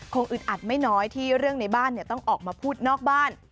อึดอัดไม่น้อยที่เรื่องในบ้านต้องออกมาพูดนอกบ้าน